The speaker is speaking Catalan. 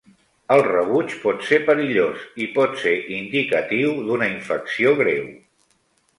El rebuig pot ser perillós i pot ser indicatiu d'una infecció greu.